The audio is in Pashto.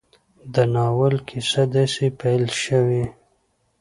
د ناول کيسه داسې پيل شوې